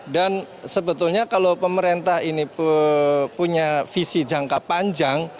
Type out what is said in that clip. dan sebetulnya kalau pemerintah ini punya visi jangka panjang